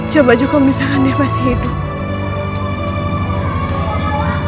coba juga misalkan dia masih hidup